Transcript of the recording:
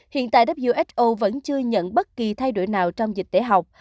hiện tại who vẫn chưa nhận bất kỳ thay đổi nào trong dịch tễ học